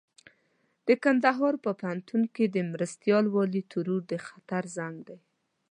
د کندهار په پوهنتون کې د مرستيال والي ترور د خطر زنګ دی.